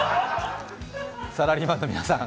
サラリーマンの皆さん